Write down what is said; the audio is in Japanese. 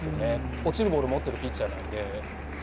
落ちるボールを持っているピッチャーなので。